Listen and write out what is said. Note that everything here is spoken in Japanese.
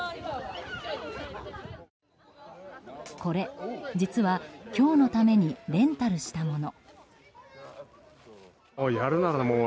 これ、実は今日のためにレンタルしたもの。